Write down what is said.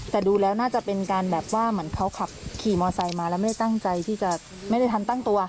แต่ดูแล้วน่าจะเป็นการแบบว่าเหมือนเขาขับขี่มอไซค์มาแล้วไม่ได้ตั้งใจที่จะไม่ได้ทันตั้งตัว